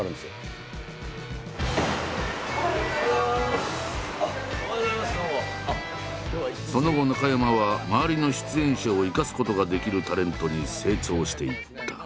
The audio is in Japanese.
その後中山は周りの出演者を生かすことができるタレントに成長していった。